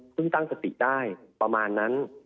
ซึ่งตั้งสติได้ประมาณนั้น